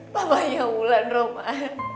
papa ya wulan roman